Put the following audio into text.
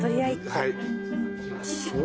はい。